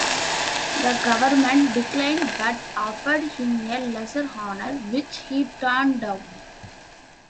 The government declined but offered him a lesser honour, which he turned down.